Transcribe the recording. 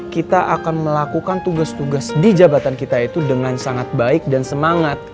kita akan melakukan tugas tugas di jabatan kita itu dengan sangat baik dan semangat